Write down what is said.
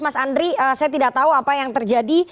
mas andri saya tidak tahu apa yang terjadi